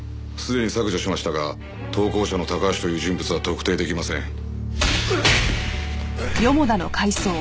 すでに削除しましたが投稿者のタカハシという人物は特定出来ません。